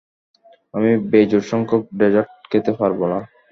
আমি বেজোড় সংখ্যক ডেজার্ট খেতে পারব না!